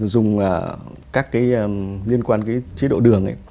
dùng các cái liên quan cái chế độ đường